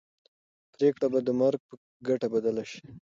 پرېکړه به د مرګ په ګټه بدله شي.